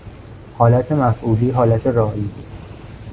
حالت مفعولی، حالت رایی